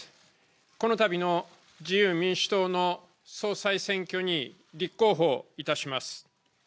このたびの自由民主党の総裁選挙に立候補いたします。